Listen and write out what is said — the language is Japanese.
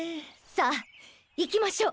さあ行きましょう。